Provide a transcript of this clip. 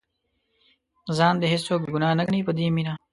ځان دې هېڅوک بې ګناه نه ګڼي په دې مینه.